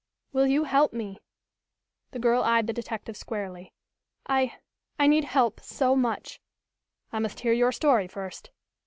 "Will you help me?" The girl eyed the detective squarely. "I I need help so much." "I must hear your story first."